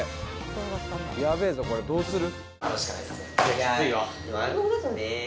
ヤベェぞこれどうする？